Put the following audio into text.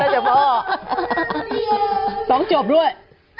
ร้องจบด้วย